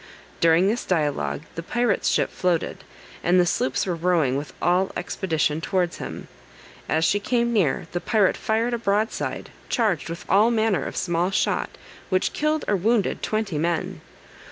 During this dialogue the pirate's ship floated, and the sloops were rowing with all expedition towards him. As she came near, the pirate fired a broadside, charged with all manner of small shot, which killed or wounded twenty men.